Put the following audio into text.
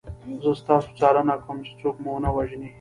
زه ستاسو څارنه کوم چې څوک مو ونه وژني